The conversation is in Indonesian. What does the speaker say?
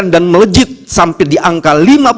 dan melejit sampai di angka lima puluh satu delapan